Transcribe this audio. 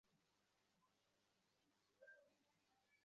প্রথমত স্থূল বস্তু লইয়া ধ্যান করিতে হইবে।